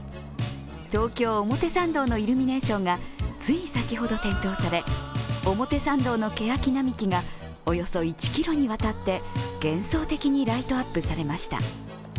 東京・表参道のイルミネーションがつい先ほど点灯され表参道のけやき並木がおよそ１ｋｍにわたって幻想的にライトアップされました。